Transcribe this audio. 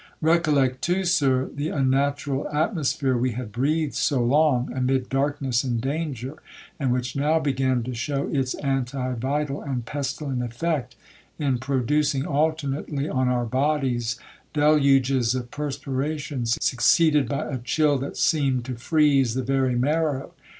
Recollect too, Sir, the unnatural atmosphere we had breathed so long, amid darkness and danger, and which now began to show its anti vital and pestilent effect, in producing alternately on our bodies deluges of perspiration, succeeded by a chill that seemed to freeze the very marrow.